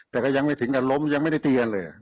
แต่ก็ยังไม่ถึงกับล้มยังไม่ได้ตีกันเลย